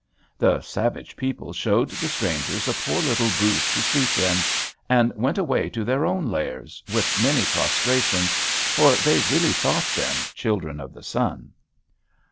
The savage people showed the strangers a poor little booth to sleep in, and went away to their own lairs, with many prostrations, for they really thought them "children of the sun."